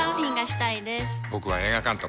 僕は映画監督。